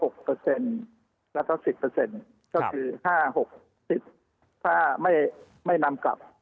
ก็คือ๕๖๑๐ถ้าไม่นำกลับ